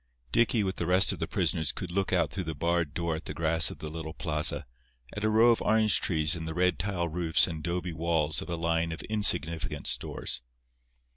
Dicky, with the rest of the prisoners, could look out through the barred door at the grass of the little plaza, at a row of orange trees and the red tile roofs and 'dobe walls of a line of insignificant stores.